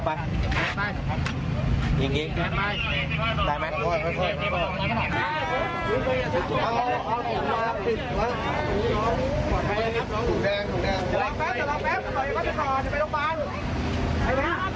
ไปสำแม่ก่อนไปหาเป็นสำแม่